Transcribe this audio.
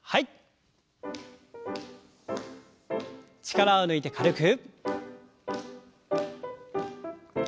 力を抜いて軽く。